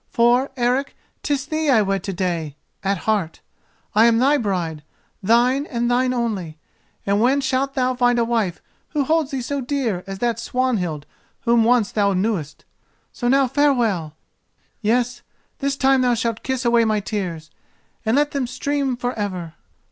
For, Eric, 'tis thee I wed to day—at heart I am thy bride, thine and thine only; and when shalt thou find a wife who holds thee so dear as that Swanhild whom once thou knewest? So now farewell! Yes, this time thou shalt kiss away my tears; then let them stream for ever.